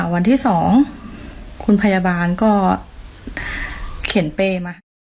วันที่๒คุณพยาบาลก็เขียนเป้มา